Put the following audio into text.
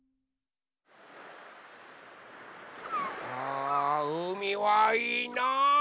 あうみはいいな！